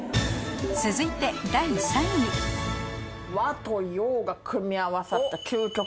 続いて第３位和と洋が組み合わさった。